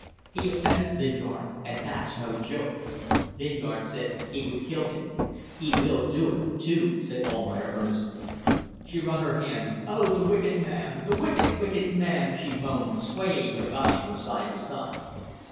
He offended Lingard, and that's no joke. Lingard said he would kill him. He will do it, too," said Almayer, earnestly. She wrung her hands. "Oh! the wicked man. The wicked, wicked man!" she moaned, swaying her body from side to side.